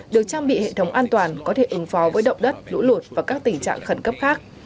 được trang bị hệ thống an toàn có thể ứng phó với động đất lũ lụt và các tình trạng khẩn cấp khác